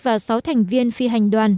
và sáu thành viên phi hành đoàn